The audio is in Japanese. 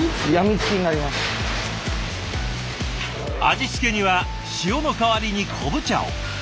味付けには塩の代わりに昆布茶を。